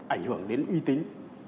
ảnh hưởng đến uy tín